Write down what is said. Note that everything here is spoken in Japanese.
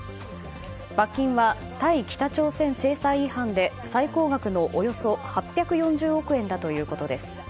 罰金は対北朝鮮制裁違反で最高額のおよそ８４０億円だということです。